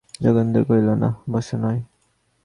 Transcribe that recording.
যোগেন্দ্র কহিল, না, বসা নয়।